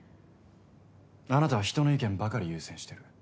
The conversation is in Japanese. あなたは人の意見ばかり優先してる。